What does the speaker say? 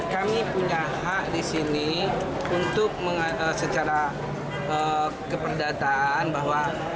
kami punya hak di sini untuk secara keperdataan bahwa